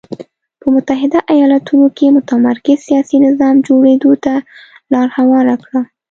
په متحده ایالتونو کې متمرکز سیاسي نظام جوړېدو ته لار هواره کړه.